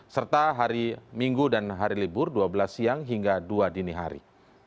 serta hari minggu dan hari libur dua belas siang hingga dua dini hari